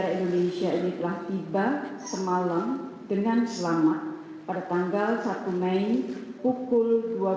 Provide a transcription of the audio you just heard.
sepuluh abk wni ini telah tiba semalam dengan selamat pada tanggal satu mei pukul dua puluh tiga tiga puluh